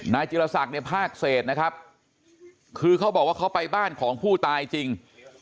จิลศักดิ์เนี่ยภาคเศษนะครับคือเขาบอกว่าเขาไปบ้านของผู้ตายจริง